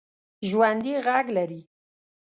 ژوندي غږ لري